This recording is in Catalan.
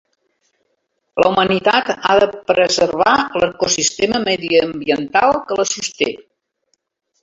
La humanitat ha de preservar l'ecosistema mediambiental que la sosté.